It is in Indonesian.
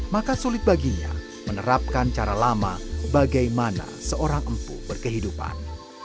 maka sulit baginya menerapkan cara lama bagaimana seorang empuk berkehidupan